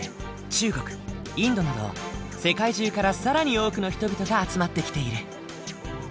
中国インドなど世界中から更に多くの人々が集まってきている。